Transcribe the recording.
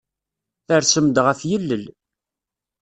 Tersem-d ɣef yilel.